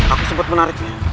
aku sempat menariknya